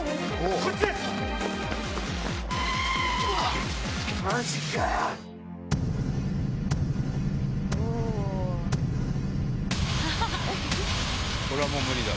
これはもう無理だ。